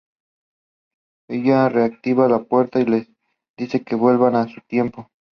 Ella reactiva la puerta y les dice que vuelvan a su tiempo.